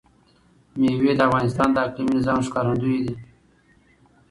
مېوې د افغانستان د اقلیمي نظام ښکارندوی ده.